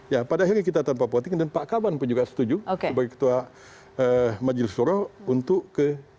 ya pada akhirnya kita tanpa voting dan pak kaban pun juga setuju sebagai ketua majelis suro untuk ke